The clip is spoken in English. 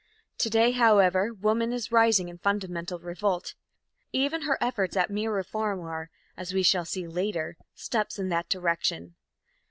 To day, however, woman is rising in fundamental revolt. Even her efforts at mere reform are, as we shall see later, steps in that direction.